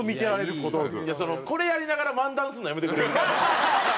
これやりながら漫談するのやめてくれる？